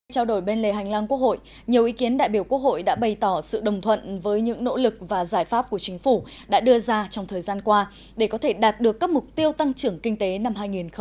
trao đổi bên lề hành lang quốc hội nhiều ý kiến đại biểu quốc hội đã bày tỏ sự đồng thuận với những nỗ lực và giải pháp của chính phủ đã đưa ra trong thời gian qua để có thể đạt được các mục tiêu tăng trưởng kinh tế năm hai nghìn hai mươi